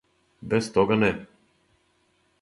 Без тога не.